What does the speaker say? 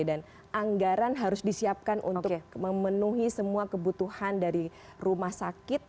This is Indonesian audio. dan anggaran harus disiapkan untuk memenuhi semua kebutuhan dari rumah sakit